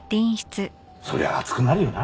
そりゃ熱くなるよな。